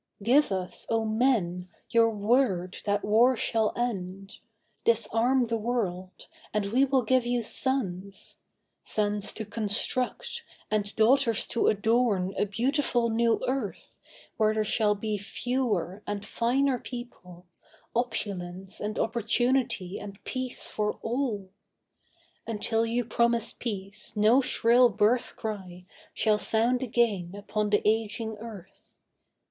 Give us, O men, your word that war shall end: Disarm the world, and we will give you sons— Sons to construct, and daughters to adorn A beautiful new earth, where there shall be Fewer and finer people, opulence And opportunity and peace for all. Until you promise peace no shrill birth cry Shall sound again upon the aging earth.